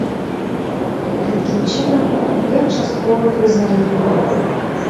Гэткім чынам, ён часткова прызнае віну.